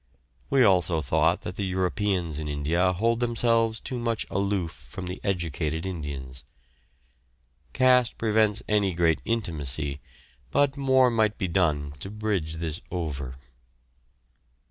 We also thought that the Europeans in India hold themselves too much aloof from the educated Indians. Caste prevents any great intimacy, but more might be done to bridge this over.